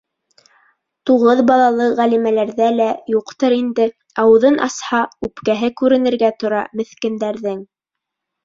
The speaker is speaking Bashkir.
Туғыҙ балалы Ғәлимәләрҙә лә юҡтыр инде, ауыҙын асһа, үпкәһе күренергә тора меҫкендәрҙең.